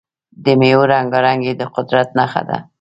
د میوو رنګارنګي د قدرت نښه ده.